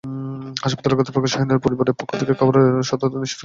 হাসপাতাল কর্তৃপক্ষ এবং শাহিনার পরিবারের পক্ষ থেকে খবরের সত্যতা নিশ্চিত করা হয়েছে।